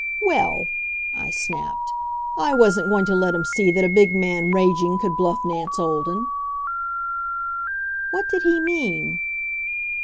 "Well!" I snapped. I wasn't going to let him see that a big man raging could bluff Nance Olden. What did he mean?